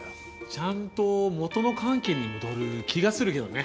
ちゃんと元の関係に戻る気がするけどね。